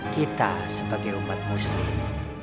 kita sebagai umat muslim